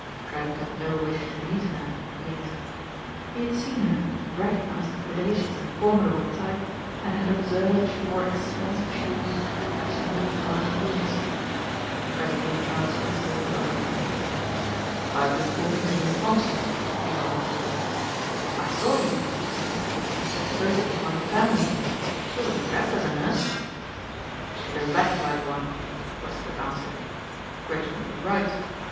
Trent had no wish to meet her yet. He had seen her, recognized a predacious and formidable type and had observed she wore expensive shoes with fashionably high heels. Presently Charles Westward joined him. "I've been talking to Miss Thompson," he volunteered. "I saw you," Trent said, "but supposed it was one of the family. She wasn't dressed as a nurse." "She doesn't act like one," Westward answered. "Richmond was right.